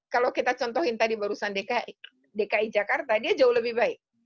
kalau kita contohin tadi barusan dki jakarta dia jauh lebih baik